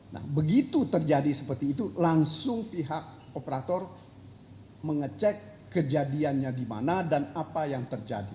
nah begitu terjadi seperti itu langsung pihak operator mengecek kejadiannya di mana dan apa yang terjadi